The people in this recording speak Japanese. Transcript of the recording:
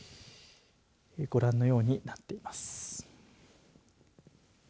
ご覧のようになっています。